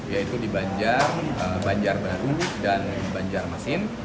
yaitu di banjar banjar baru dan banjar masin